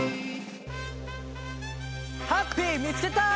ハッピーみつけた！